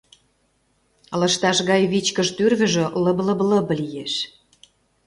Лышташ гай вичкыж тӱрвыжӧ лыб-лыб-лыб лиеш.